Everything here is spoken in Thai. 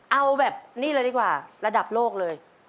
เอาแบบนี้เลยดีกว่าระดับโลกเลย